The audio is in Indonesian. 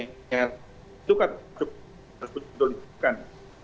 itu kan harus dituntutkan